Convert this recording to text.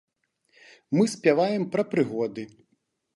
І мы спяваем пра прыгоды.